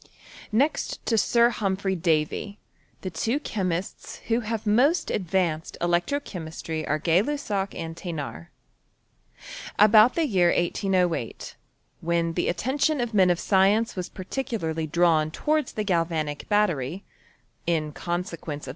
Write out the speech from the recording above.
Next to Sir Humphry Davy, the two chemists who have most advanced electro chemistry arc Gay Lussac and Thcnard. About the year 1808, when the attention of men of science was particularly diawii towards the galvanic battery, in coosequence OF XI«ECTRO CH£MIST&Y.